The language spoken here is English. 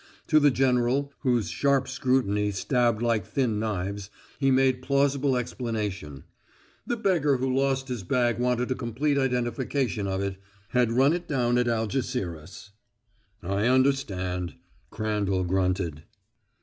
To the general, whose sharp scrutiny stabbed like thin knives, he made plausible explanation. The beggar who lost his bag wanted a complete identification of it had run it down at Algeciras. "I understand," Crandall grunted.